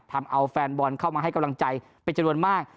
ทำเอาแฟนบอลเข้ามาให้กำลังใจเป็นจำนวนมาก